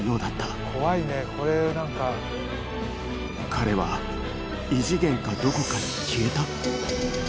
彼は異次元かどこかに消えた？